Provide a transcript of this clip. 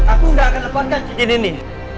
aku gak akan lepaskan cincin ini